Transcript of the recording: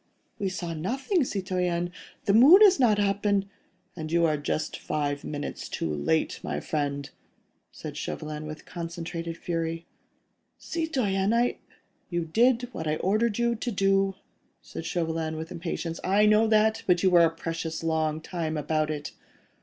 "We saw nothing, citoyen! The moon is not yet up, and ..." "And you are just five minutes too late, my friend," said Chauvelin, with concentrated fury. "Citoyen ... I ..." "You did what I ordered you to do," said Chauvelin, with impatience. "I know that, but you were a precious long time about it.